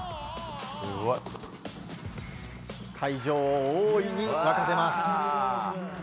会場を大いに沸かせます。